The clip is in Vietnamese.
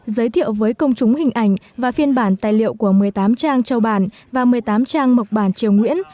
giới thiệu với công chúng hình ảnh và phiên bản tài liệu của một mươi tám trang châu bản và một mươi tám trang mộc bản triều nguyễn